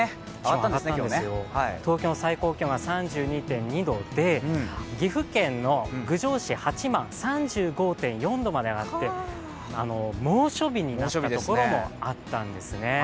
東京の最高気温が３２．２度で岐阜県の郡上市、３５．４度まで上がって猛暑日になったところもあったんですね。